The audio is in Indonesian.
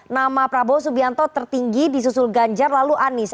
nama prabowo subianto tertinggi di susul ganjar lalu anies